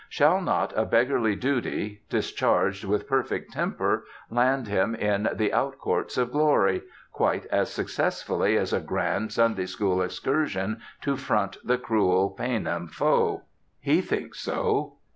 Shall not a beggarly duty, discharged with perfect temper, land him in "the out courts of Glory," quite as successfully as a grand Sunday school excursion to front the cruel Paynim foe? He thinks so.